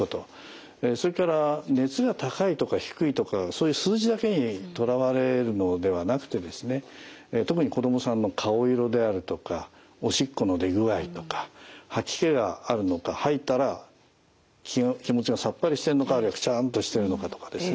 それから熱が高いとか低いとかそういう数字だけにとらわれるのではなくて特に子どもさんの顔色であるとかおしっこの出具合とか吐き気があるのか吐いたら気持ちがさっぱりしてるのかあるいはクチャンとしてるのかとかですね